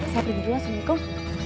saya pergi dulu assalamualaikum